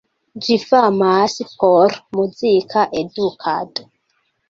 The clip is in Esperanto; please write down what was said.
Ĝi famas por muzika edukado.